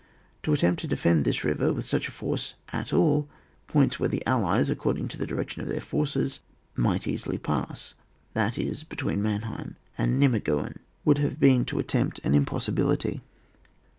To attempt to de fend this river with such a force at all points where the AUies, according to the direction of their forces, might easily pass, that is, between Manheim and Nimeguen, would have been to attempt an impossibility.